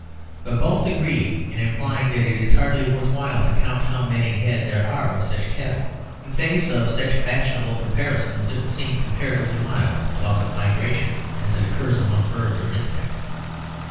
But both agree in implying that it is hardly worth while to count how many head there are of such cattle. In face of such fashionable comparisons it will seem comparatively mild to talk of migration as it occurs among birds or insects.